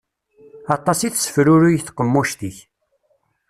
Aṭas i tessefruruy tqemmuct-ik.